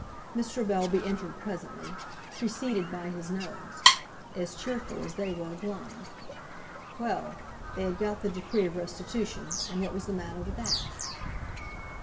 Mr. Bellby entered presently, preceded by his nose, as cheerful as they were glum. Well! they had got the decree of restitution, and what was the matter with that!